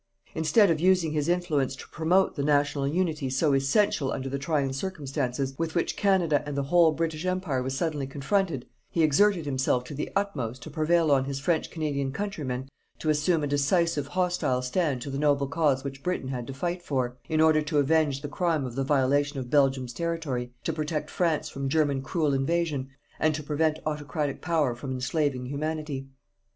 Instead of using his influence to promote the national unity so essential under the trying circumstances with which Canada and the whole British Empire was suddenly confronted, he exerted himself to the utmost to prevail on his French Canadian countrymen to assume a decisive hostile stand to the noble cause which Britain had to fight for, in order to avenge the crime of the violation of Belgium's territory, to protect France from German cruel invasion, and to prevent Autocratic power from enslaving Humanity.